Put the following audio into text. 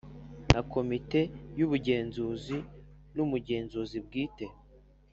Na Komite Y Ubugenzuzi N Umugenzuzi Bwite